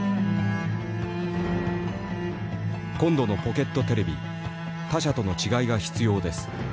「今度のポケットテレビ他社との違いが必要です。